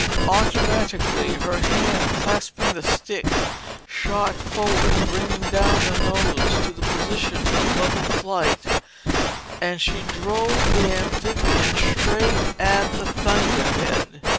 Automatically, her hand clasping the stick shot forward, bringing down the nose to the position of level flight, and she drove the amphibian straight at the thunderhead.